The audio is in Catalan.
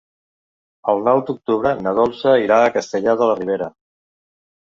El nou d'octubre na Dolça irà a Castellar de la Ribera.